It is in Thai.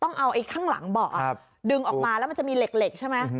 ต้องเอาไอ้ข้างหลังเบาะดึงออกมาแล้วมันจะมีเหล็กใช่ไหม